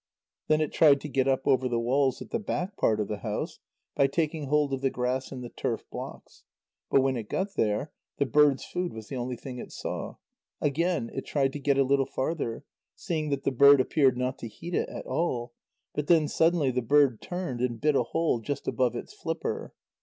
Then it tried to get up over the walls at the back part of the house, by taking hold of the grass in the turf blocks. But when it got there, the bird's food was the only thing it saw. Again it tried to get a little farther, seeing that the bird appeared not to heed it at all, but then suddenly the bird turned and bit a hole just above its flipper.